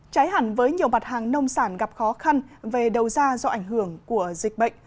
trái hẳn với nhiều mặt hàng nông sản gặp khó khăn về đầu ra do ảnh hưởng của dịch bệnh